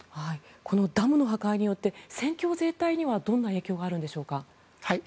このダムの破壊によって戦況全体にはどのような影響があるんでしょうか。